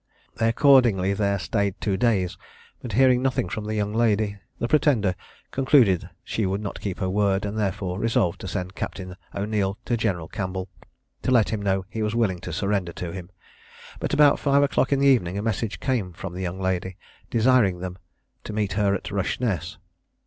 They accordingly there staid two days; but hearing nothing from the young lady, the Pretender concluded she would not keep her word, and therefore resolved to send Captain O'Neil to General Campbell, to let him know he was willing to surrender to him; but about five o'clock in the evening a message came from the young lady, desiring them to meet her at Rushness.